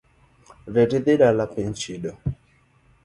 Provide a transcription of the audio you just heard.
Reti idhi dala piny chido.